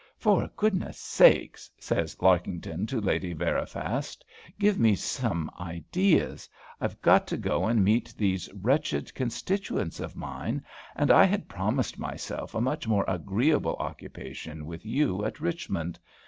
"For goodness' sake," says Larkington to Lady Veriphast, "give me some ideas; I've got to go and meet these wretched constituents of mine, and I had promised myself a much more agreeable occupation with you at Richmond.